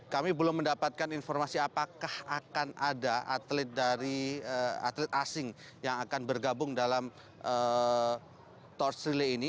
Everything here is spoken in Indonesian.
kami belum mendapatkan informasi apakah akan ada atlet asing yang akan bergabung dalam torsele ini